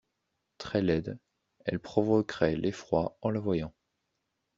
Très laide, elle provoquerait l'effroi en la voyant.